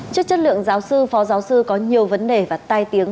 trước chất lượng giáo sư phó giáo sư có nhiều vấn đề và tai tiếng